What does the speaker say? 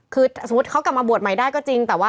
คือสมมติเขากลับมาบวชใหม่ได้ก็จริง